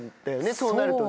そうなるとね。